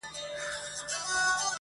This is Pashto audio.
هر څوک يې د خپلې پوهې له مخې تفسيروي,